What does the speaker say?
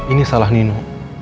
ini salah nino